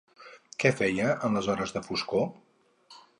Què feia en les hores de foscor?